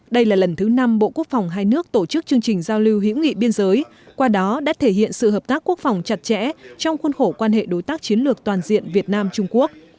đây là lần thứ năm bộ quốc phòng hai nước tổ chức chương trình giao lưu hữu nghị biên giới qua đó đã thể hiện sự hợp tác quốc phòng chặt chẽ trong khuôn khổ quan hệ đối tác chiến lược toàn diện việt nam trung quốc